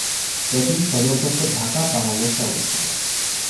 এটির সদর দপ্তর ঢাকা, বাংলাদেশ এ অবস্থিত।